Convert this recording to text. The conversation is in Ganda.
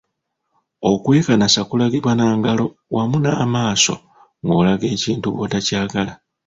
Okwekanasa kulagibwa na ngalo wamu n'amaaso ng'olaga ekintu bwotakyagala.